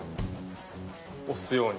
おすように。